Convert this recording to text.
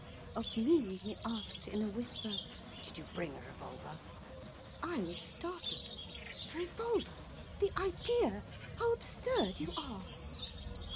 Of me he asked in a whisper, 'Did you bring a revolver?' I was startled. 'A revolver? The idea! How absurd you are!